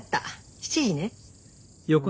７時ね。